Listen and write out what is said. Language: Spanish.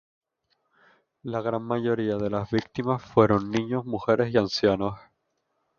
La gran mayoría de las víctimas fueron niños, mujeres y ancianos.